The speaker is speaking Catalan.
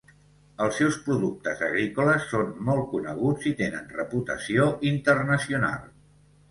Els seus productes agrícoles són molt coneguts i tenen reputació internacional.